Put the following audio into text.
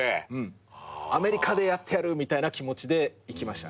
アメリカでやってやるみたいな気持ちで行きましたね。